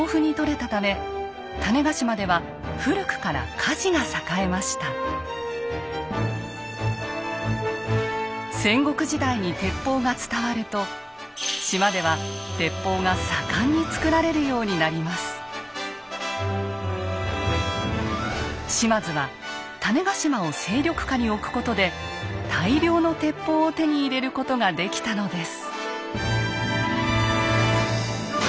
砂鉄が豊富に採れたため戦国時代に鉄砲が伝わると島では島津は種子島を勢力下に置くことで大量の鉄砲を手に入れることができたのです。